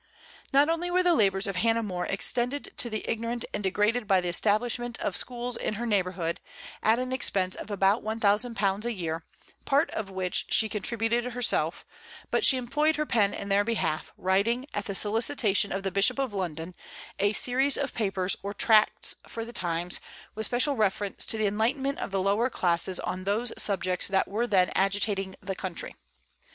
Not only were the labors of Hannah More extended to the ignorant and degraded by the establishment of schools in her neighborhood, at an expense of about £1,000 a year, part of which she contributed herself, but she employed her pen in their behalf, writing, at the solicitation of the Bishop of London, a series of papers or tracts for the times, with special reference to the enlightenment of the lower classes on those subjects that were then agitating the country.